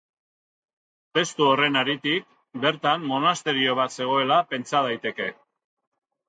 Testu horren haritik bertan monasterio bat zegoela pentsa daiteke.